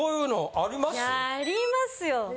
あります。